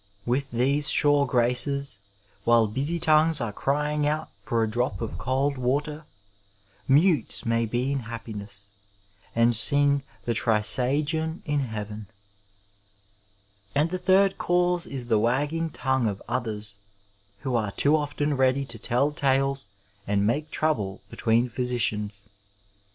With these sure graces, whUe busy tongues are crying out for a drop of cold water, mutes lAay be in happiness, and sing the Trisagion in heaven. And the third cause is the wagging tongue of others who are too often ready to tell tales and make trouble between 463 n 1 ' Digitized by LjOOQ IC UNITY, PEACE, AND CONCORD phyHicians.